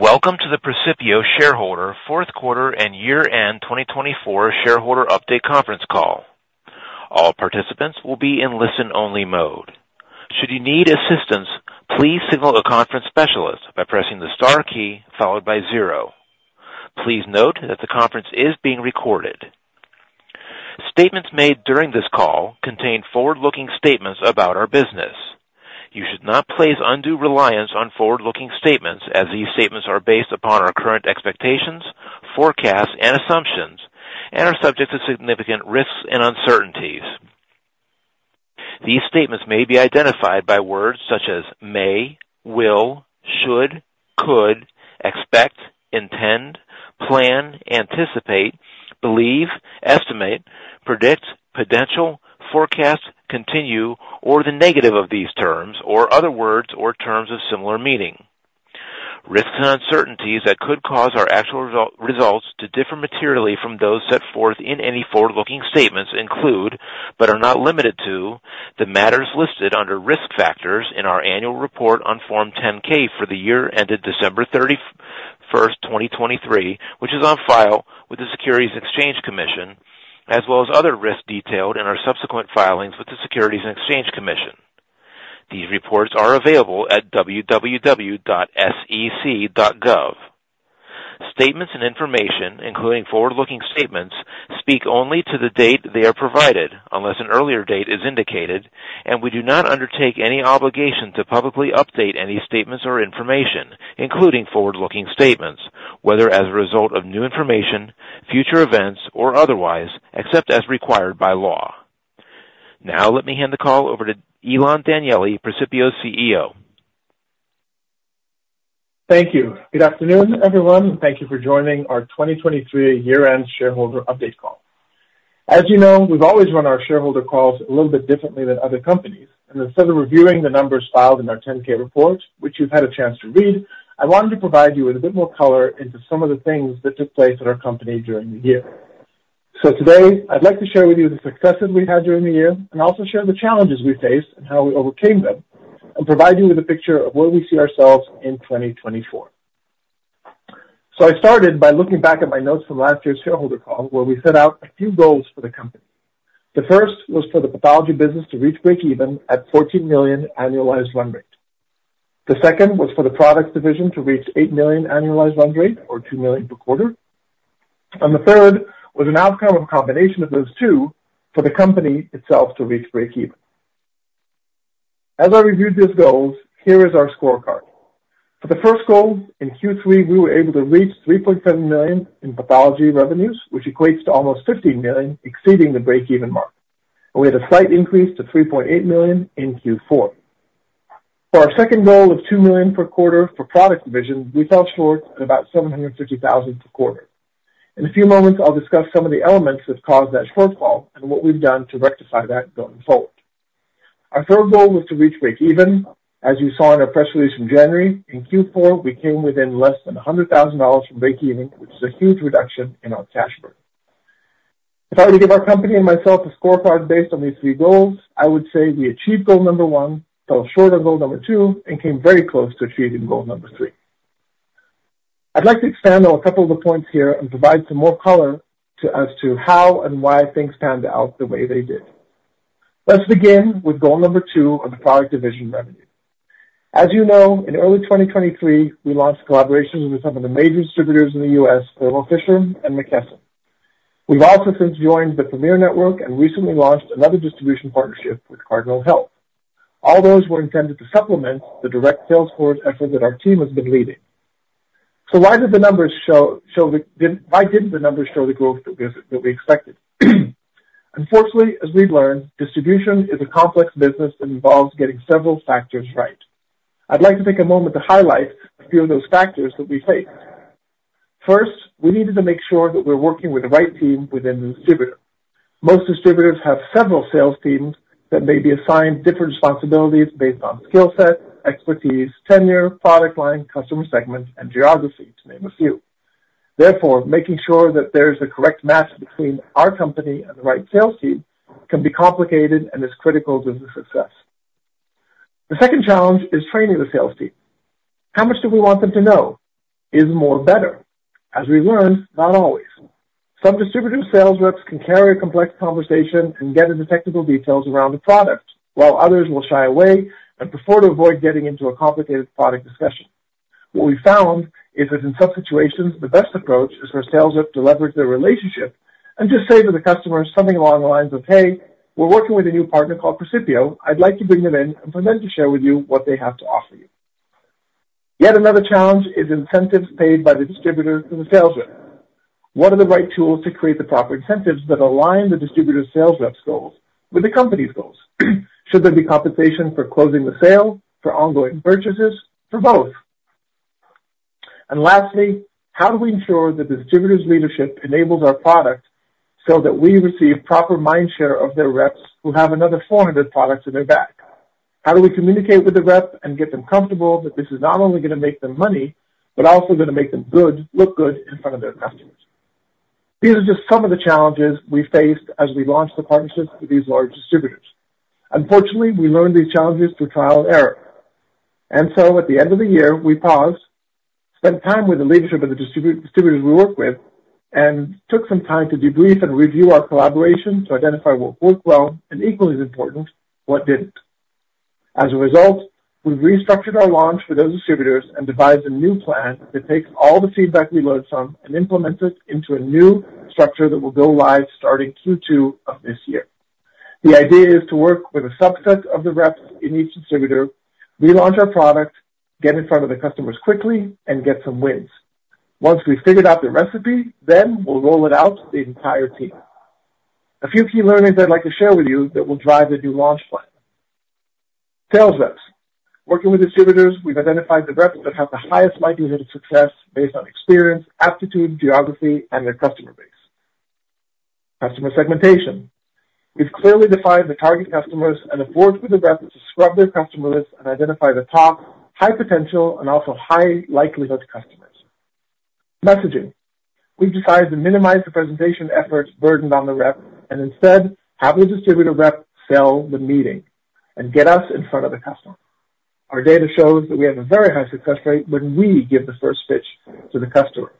Welcome to the Precipio shareholder fourth quarter and year-end 2024 shareholder update conference call. All participants will be in listen-only mode. Should you need assistance, please signal a conference specialist by pressing the star key followed by zero. Please note that the conference is being recorded. Statements made during this call contain forward-looking statements about our business. You should not place undue reliance on forward-looking statements as these statements are based upon our current expectations, forecasts, and assumptions, and are subject to significant risks and uncertainties. These statements may be identified by words such as may, will, should, could, expect, intend, plan, anticipate, believe, estimate, predict, potential, forecast, continue, or the negative of these terms, or other words or terms of similar meaning. Risks and uncertainties that could cause our actual results to differ materially from those set forth in any forward-looking statements include, but are not limited to, the matters listed under risk factors in our annual report on Form 10-K for the year ended December 31st, 2023, which is on file with the Securities and Exchange Commission, as well as other risks detailed in our subsequent filings with the Securities and Exchange Commission. These reports are available at www.sec.gov. Statements and information, including forward-looking statements, speak only to the date they are provided unless an earlier date is indicated, and we do not undertake any obligation to publicly update any statements or information, including forward-looking statements, whether as a result of new information, future events, or otherwise, except as required by law. Now let me hand the call over to Ilan Danieli, Precipio CEO. Thank you. Good afternoon, everyone, and thank you for joining our 2023 year-end shareholder update call. As you know, we've always run our shareholder calls a little bit differently than other companies, and instead of reviewing the numbers filed in our 10-K report, which you've had a chance to read, I wanted to provide you with a bit more color into some of the things that took place at our company during the year. So today, I'd like to share with you the successes we had during the year and also share the challenges we faced and how we overcame them, and provide you with a picture of where we see ourselves in 2024. So I started by looking back at my notes from last year's shareholder call where we set out a few goals for the company. The first was for the pathology business to reach break-even at $14 million annualized run rate. The second was for the Products Division to reach $8 million annualized run rate, or $2 million per quarter. And the third was an outcome of a combination of those two for the company itself to reach break-even. As I reviewed these goals, here is our scorecard. For the first goal, in Q3, we were able to reach $3.7 million in pathology revenues, which equates to almost $15 million exceeding the break-even mark. And we had a slight increase to $3.8 million in Q4. For our second goal of $2 million per quarter for Products Division, we fell short at about $750,000 per quarter. In a few moments, I'll discuss some of the elements that caused that shortfall and what we've done to rectify that going forward. Our third goal was to reach break-even. As you saw in our press release from January, in Q4, we came within less than $100,000 from break-even, which is a huge reduction in our cash burden. If I were to give our company and myself a scorecard based on these three goals, I would say we achieved goal number one, fell short on goal number two, and came very close to achieving goal number three. I'd like to expand on a couple of the points here and provide some more color as to how and why things panned out the way they did. Let's begin with goal number two of the product division revenue. As you know, in early 2023, we launched collaborations with some of the major distributors in the US, Thermo Fisher and McKesson. We've also since joined the Premier network and recently launched another distribution partnership with Cardinal Health. All those were intended to supplement the direct salesforce effort that our team has been leading. So why didn't the numbers show the growth that we expected? Unfortunately, as we've learned, distribution is a complex business that involves getting several factors right. I'd like to take a moment to highlight a few of those factors that we faced. First, we needed to make sure that we're working with the right team within the distributor. Most distributors have several sales teams that may be assigned different responsibilities based on skill set, expertise, tenure, product line, customer segment, and geography, to name a few. Therefore, making sure that there is the correct match between our company and the right sales team can be complicated and is critical to the success. The second challenge is training the sales team. How much do we want them to know? Is more better? As we've learned, not always. Some distributor sales reps can carry a complex conversation and get into technical details around a product, while others will shy away and prefer to avoid getting into a complicated product discussion. What we found is that in some situations, the best approach is for a sales rep to leverage their relationship and just say to the customer something along the lines of, "Hey, we're working with a new partner called Precipio. I'd like to bring them in and for them to share with you what they have to offer you." Yet another challenge is incentives paid by the distributor to the sales rep. What are the right tools to create the proper incentives that align the distributor sales rep's goals with the company's goals? Should there be compensation for closing the sale, for ongoing purchases, for both? Lastly, how do we ensure that the distributor's leadership enables our product so that we receive proper mindshare of their reps who have another 400 products in their back? How do we communicate with the rep and get them comfortable that this is not only going to make them money but also going to make them look good in front of their customers? These are just some of the challenges we faced as we launched the partnerships with these large distributors. Unfortunately, we learned these challenges through trial and error. And so at the end of the year, we paused, spent time with the leadership of the distributors we work with, and took some time to debrief and review our collaboration to identify what worked well and, equally as important, what didn't. As a result, we've restructured our launch for those distributors and devised a new plan that takes all the feedback we learned from and implements it into a new structure that will go live starting Q2 of this year. The idea is to work with a subset of the reps in each distributor, relaunch our product, get in front of the customers quickly, and get some wins. Once we figured out the recipe, then we'll roll it out to the entire team. A few key learnings I'd like to share with you that will drive the new launch plan. Sales reps: working with distributors, we've identified the reps that have the highest likelihood of success based on experience, aptitude, geography, and their customer base. Customer segmentation: we've clearly defined the target customers and have worked with the reps to scrub their customer list and identify the top, high-potential, and also high-likelihood customers. Messaging: we've decided to minimize the presentation effort burdened on the rep and instead have the distributor rep sell the meeting and get us in front of the customer. Our data shows that we have a very high success rate when we give the first pitch to the customer,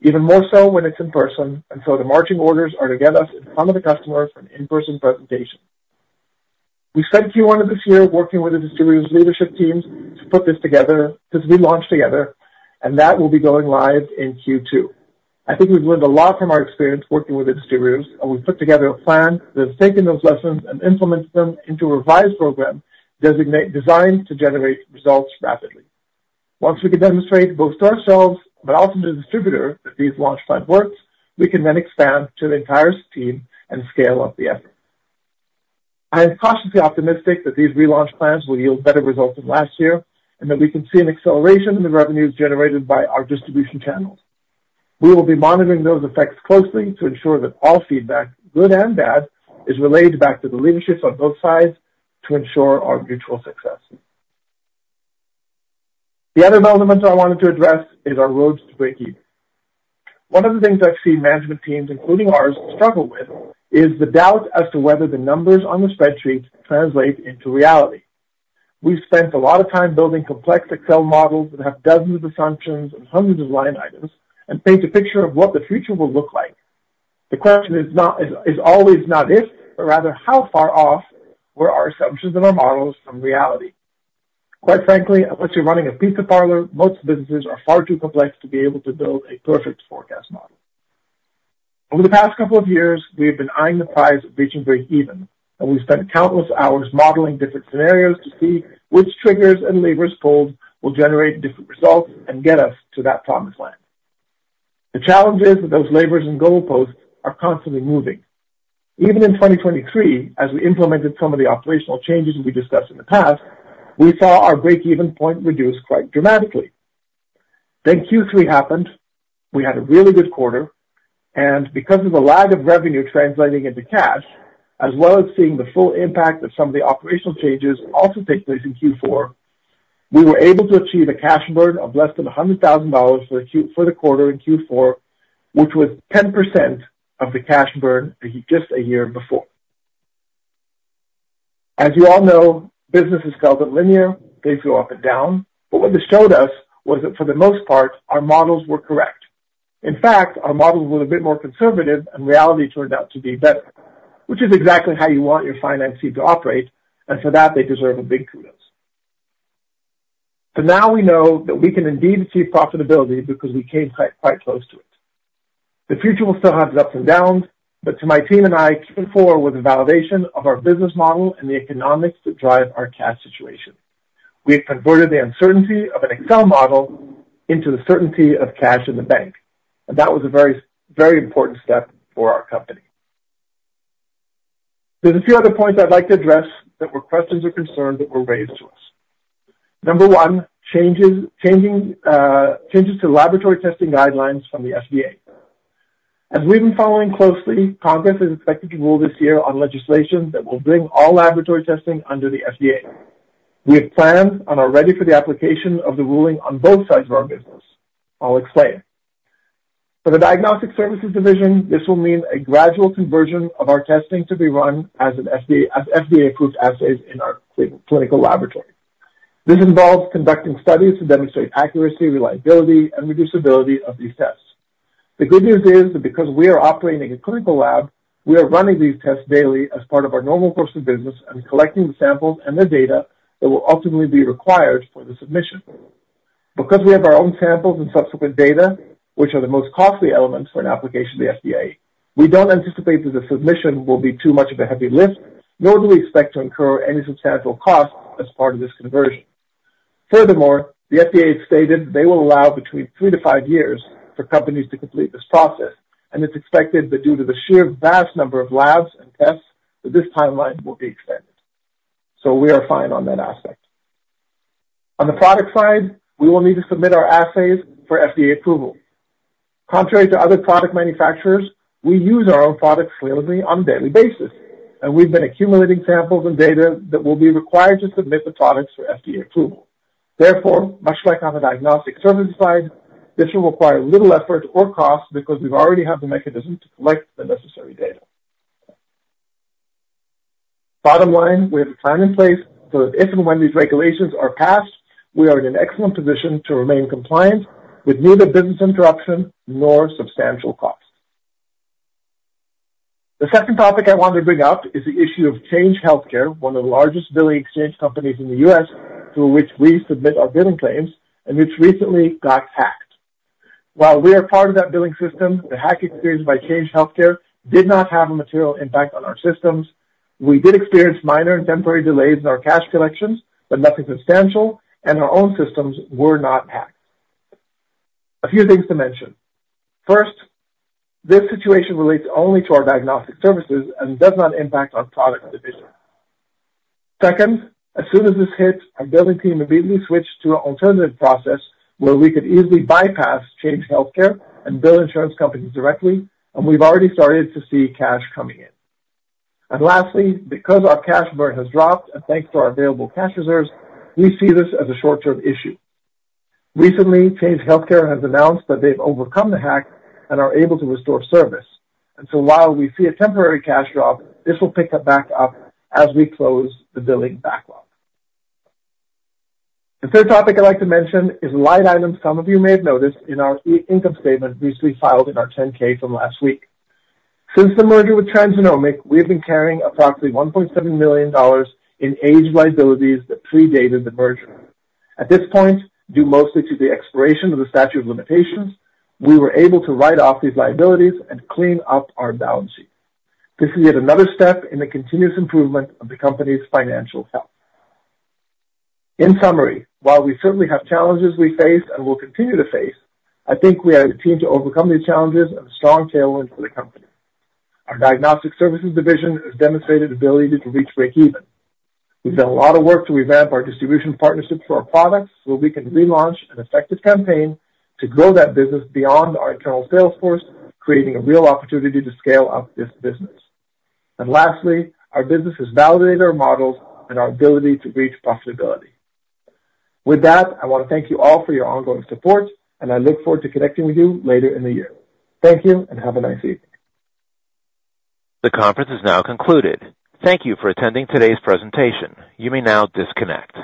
even more so when it's in person, and so the marching orders are to get us in front of the customer for an in-person presentation. We spent Q1 of this year working with the distributor's leadership teams to put this together because we launched together, and that will be going live in Q2. I think we've learned a lot from our experience working with the distributors, and we've put together a plan that has taken those lessons and implemented them into a revised program designed to generate results rapidly. Once we can demonstrate both to ourselves but also to the distributor that these launch plans work, we can then expand to the entire team and scale up the effort. I am cautiously optimistic that these relaunch plans will yield better results than last year and that we can see an acceleration in the revenues generated by our distribution channels. We will be monitoring those effects closely to ensure that all feedback, good and bad, is relayed back to the leadership on both sides to ensure our mutual success. The other element I wanted to address is our roads to break-even. One of the things I've seen management teams, including ours, struggle with is the doubt as to whether the numbers on the spreadsheet translate into reality. We've spent a lot of time building complex Excel models that have dozens of assumptions and hundreds of line items and paint a picture of what the future will look like. The question is always not if, but rather how far off were our assumptions and our models from reality. Quite frankly, unless you're running a pizza parlor, most businesses are far too complex to be able to build a perfect forecast model. Over the past couple of years, we have been eyeing the prize of reaching break-even, and we've spent countless hours modeling different scenarios to see which triggers and levers pulled will generate different results and get us to that promised land. The challenge is that those levers and goal posts are constantly moving. Even in 2023, as we implemented some of the operational changes we discussed in the past, we saw our break-even point reduce quite dramatically. Then Q3 happened. We had a really good quarter. And because of the lack of revenue translating into cash, as well as seeing the full impact of some of the operational changes also take place in Q4, we were able to achieve a cash burn of less than $100,000 for the quarter in Q4, which was 10% of the cash burn just a year before. As you all know, businesses go up in linear. They go up and down. But what this showed us was that, for the most part, our models were correct. In fact, our models were a bit more conservative, and reality turned out to be better, which is exactly how you want your finance team to operate. And for that, they deserve a big kudos. So now we know that we can indeed achieve profitability because we came quite close to it. The future will still have its ups and downs, but to my team and I, Q4 was a validation of our business model and the economics that drive our cash situation. We have converted the uncertainty of an Excel model into the certainty of cash in the bank, and that was a very, very important step for our company. There's a few other points I'd like to address that were questions or concerns that were raised to us. Number one, changes to laboratory testing guidelines from the FDA. As we've been following closely, Congress is expected to rule this year on legislation that will bring all laboratory testing under the FDA. We have plans and are ready for the application of the ruling on both sides of our business. I'll explain. For the Diagnostic Services Division, this will mean a gradual conversion of our testing to be run as FDA-approved assays in our clinical laboratory. This involves conducting studies to demonstrate accuracy, reliability, and reproducibility of these tests. The good news is that because we are operating a clinical lab, we are running these tests daily as part of our normal course of business and collecting the samples and the data that will ultimately be required for the submission. Because we have our own samples and subsequent data, which are the most costly elements for an application to the FDA, we don't anticipate that the submission will be too much of a heavy lift, nor do we expect to incur any substantial costs as part of this conversion. Furthermore, the FDA has stated they will allow between 3-5 years for companies to complete this process, and it's expected that due to the sheer vast number of labs and tests, that this timeline will be extended. So we are fine on that aspect. On the product side, we will need to submit our assays for FDA approval. Contrary to other product manufacturers, we use our own products freely on a daily basis, and we've been accumulating samples and data that will be required to submit the products for FDA approval. Therefore, much like on the Diagnostic Services side, this will require little effort or cost because we've already had the mechanism to collect the necessary data. Bottom line, we have a plan in place so that if and when these regulations are passed, we are in an excellent position to remain compliant with neither business interruption nor substantial costs. The second topic I wanted to bring up is the issue of Change Healthcare, one of the largest billing exchange companies in the U.S. through which we submit our billing claims and which recently got hacked. While we are part of that billing system, the hack experienced by Change Healthcare did not have a material impact on our systems. We did experience minor and temporary delays in our cash collections, but nothing substantial, and our own systems were not hacked. A few things to mention. First, this situation relates only to our Diagnostic Services and does not impact our product division. Second, as soon as this hit, our billing team immediately switched to an alternative process where we could easily bypass Change Healthcare and bill insurance companies directly, and we've already started to see cash coming in. Lastly, because our cash burn has dropped, and thanks to our available cash reserves, we see this as a short-term issue. Recently, Change Healthcare has announced that they've overcome the hack and are able to restore service. So while we see a temporary cash drop, this will pick back up as we close the billing backlog. The third topic I'd like to mention is line items some of you may have noticed in our income statement recently filed in our 10-K from last week. Since the merger with Transgenomic, we have been carrying approximately $1.7 million in aged liabilities that predated the merger. At this point, due mostly to the expiration of the statute of limitations, we were able to write off these liabilities and clean up our balance sheet. This is yet another step in the continuous improvement of the company's financial health. In summary, while we certainly have challenges we faced and will continue to face, I think we have a team to overcome these challenges and a strong tailwind for the company. Our Diagnostic Services Division has demonstrated the ability to reach break-even. We've done a lot of work to revamp our distribution partnership for our products so we can relaunch an effective campaign to grow that business beyond our internal sales force, creating a real opportunity to scale up this business. Lastly, our business has validated our models and our ability to reach profitability. With that, I want to thank you all for your ongoing support, and I look forward to connecting with you later in the year. Thank you, and have a nice evening. The conference is now concluded. Thank you for attending today's presentation. You may now disconnect.